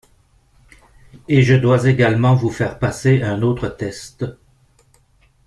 Et je dois également vous faire passer un autre test